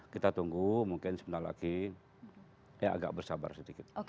kita tunggu mungkin sebentar lagi ini agak bersabar sedikit